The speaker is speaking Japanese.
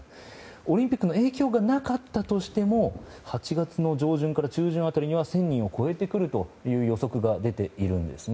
オリンピックの影響がなかったとしても８月の上旬から中旬辺りには１０００人を超えてくるという予測が出ているんですね。